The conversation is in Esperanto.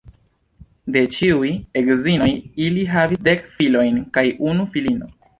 De ĉiuj edzinoj ili havis dek filojn kaj unu filino.